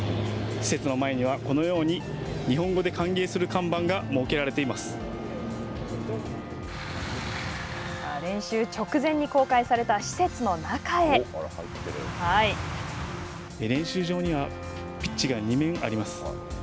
施設の前には、このように日本語で歓迎する看板が設けられさあ、練習直前に公開された施練習場には、ピッチが２面あります。